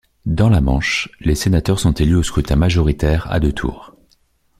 Dans la Manche, les sénateurs sont élus au scrutin majoritaire à deux tours.